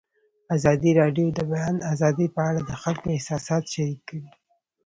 ازادي راډیو د د بیان آزادي په اړه د خلکو احساسات شریک کړي.